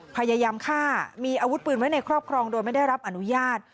พยายามฆ่ามีอาวุธปืนไว้ในครอบครองโดยไม่ได้รับอนุญาต